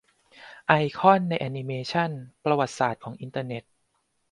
ไอคอนใน แอนิเมชัน "ประวัติศาสตร์ของอินเทอร์เน็ต"